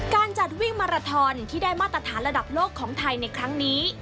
การจัดวิ่งมาราทอนที่ได้มาตรฐานระดับโลกของไทยในครั้งนี้